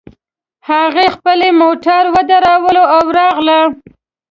هغې خپلې موټر ودراوو او راغله